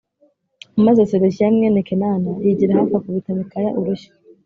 Maze Sedekiya mwene Kenāna yigira hafi akubita Mikaya urushyi